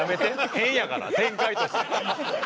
変やから展開として。